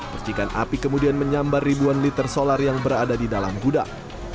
percikan api kemudian menyambar ribuan liter solar yang berada di dalam gudang